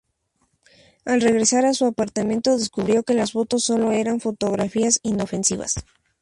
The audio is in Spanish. Al regresar a su apartamento, descubrió que las fotos solo eran fotografías inofensivas.